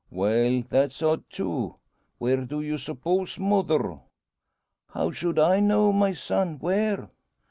"Well; that's odd, too. Where do you suppose, mother?" "How should I know, my son? Where?"